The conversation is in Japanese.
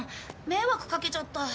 迷惑かけちゃった。